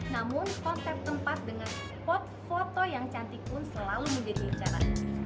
namun konsep tempat dengan spot foto yang cantik pun selalu menjadi incaran